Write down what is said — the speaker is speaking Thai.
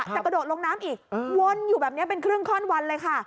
แต่กระโดดลงน้ำอีกวนอยู่แบบนี้เป็นครึ่งข้อนวันเลยค่ะ